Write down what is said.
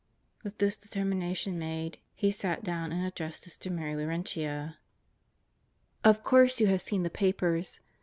With this determination made, he ,at down and addressed Sister Mary Laurentia: ... Of course you have seen the papers.